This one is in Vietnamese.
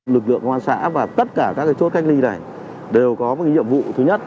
lực lượng ngôn xã và tất cả các chốt cách ly này đều có một nhiệm vụ thứ nhất